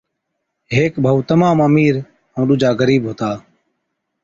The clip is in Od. ھيڪ ڀائُو تمام امير ائُون ڏُوجا غرِيب ھُتا